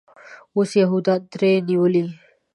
اوس یهودانو ترې نیولی.